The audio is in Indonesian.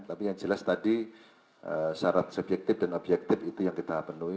tapi yang jelas tadi syarat subjektif dan objektif itu yang kita penuhi